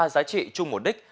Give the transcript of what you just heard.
ba giá trị chung mục đích